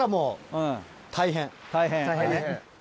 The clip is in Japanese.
「大変」。